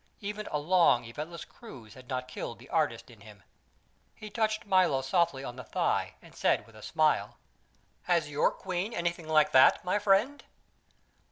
Even a long, eventless cruise had not killed the artist in him. He touched Milo softly on the thigh and said with a smile: "Has your queen anything like that, my friend?"